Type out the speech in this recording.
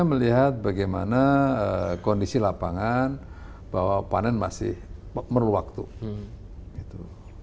kita melihat bagaimana kondisi lapangan bahwa panen masih perlu waktu gitu